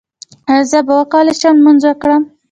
ایا زه به وکولی شم لمونځ وکړم؟